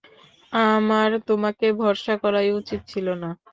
আমার তোমাকে ভরসা করাই উচিৎ ছিল না।